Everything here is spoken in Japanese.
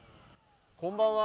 こんばんは。